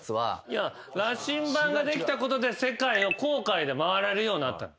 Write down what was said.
いや羅針盤ができたことで世界を航海で回れるようになった。